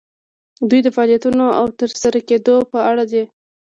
دوی د فعالیتونو د ترسره کیدو په اړه دي.